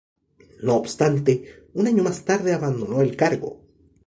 No obstante, un año más tarde abandonó el cargo.